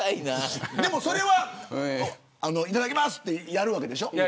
でも、それはいただきますとやるわけでしょ。